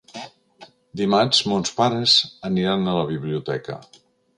Dimarts mons pares aniran a la biblioteca.